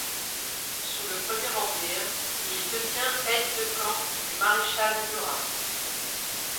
Sous le Premier Empire, il devient aide de camp du maréchal Murat.